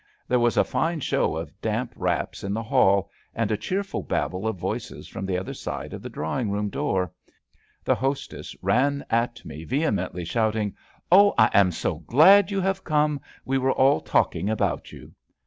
There was a fine show of damp wraps 245 246 ABAFT THE FUNNEL in the hall, and a cheerful babble of voices from the other side of the drawing room door. The hostess ran at me, vehemently shouting: Oh, I am so glad you have come. We were all talking about you.''